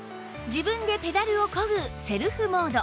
自分でペダルを漕ぐセルフモード